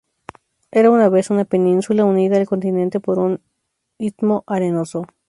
Era una vez una península, unida al continente por un istmo arenoso.